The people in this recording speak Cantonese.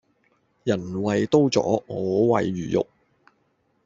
人為刀俎我為魚肉